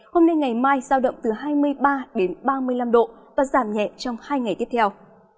hôm nay ngày mai giao động từ hai mươi ba đến ba mươi năm độ và giảm nhẹ trong hai ngày tiếp theo